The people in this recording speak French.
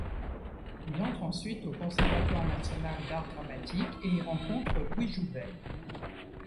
Il entre ensuite au Conservatoire national d'art dramatique et y rencontre Louis Jouvet.